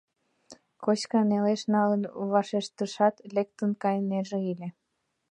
— Коська нелеш налын вашештышат, лектын кайынеже ыле.